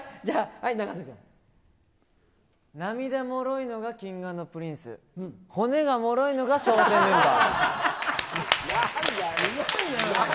涙もろいのがＫｉｎｇ＆Ｐｒｉｎｃｅ、骨がもろいのが笑点メンバー。